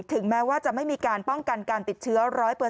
แม้ว่าจะไม่มีการป้องกันการติดเชื้อ๑๐๐